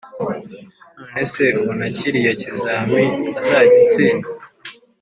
nonese ubona kiriya kizami uzagitsinda